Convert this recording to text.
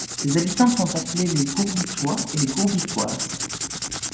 Ses habitants sont appelés les Gourbitois et les Gourbitoises.